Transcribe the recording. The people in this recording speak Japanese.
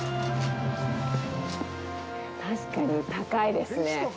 確かに、高いですね。